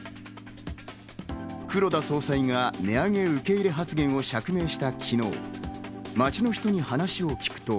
黒田総裁が値上げ受け入れ発言を釈明した昨日、街の人に話を聞くと。